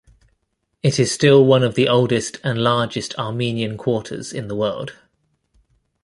It is still one of the oldest and largest Armenian quarters in the world.